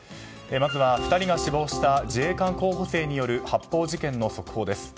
まずは２人が死亡した自衛官候補生による発砲事件の速報です。